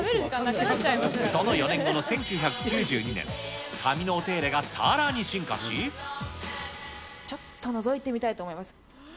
その４年後の１９９２年、ちょっとのぞいてみたいと思います。